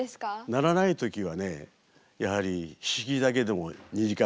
鳴らない時はねやはりヒシギだけでも２時間ぐらいして。